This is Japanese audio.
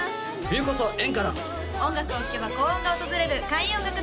冬こそ演歌だ音楽を聴けば幸運が訪れる開運音楽堂